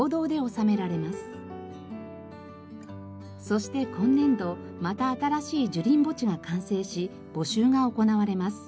そして今年度また新しい樹林墓地が完成し募集が行われます。